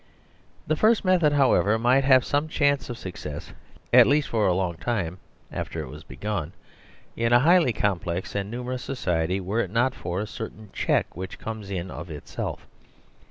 * The first method, however, might have some chance of success, at least for a long time after it was begun, in a highly complex and numerous society were it not for a certain check which comes in of itself.